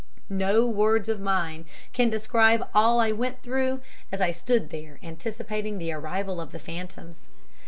No words of mine can describe all I went through as I stood there anticipating the arrival of the phantoms.